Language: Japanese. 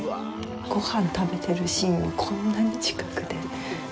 ごはん食べてるシーンをこんなに近くで。